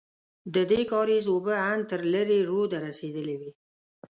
ددې کارېز اوبه ان تر لېرې روده رسېدلې وې.